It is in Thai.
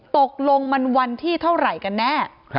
ตกลงมันวันที่เท่าไหร่กันแน่